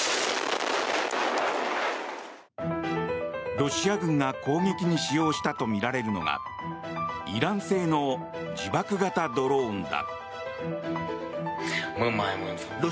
ロシア軍が攻撃に使用したとみられるのがイラン製の自爆型ドローンだ。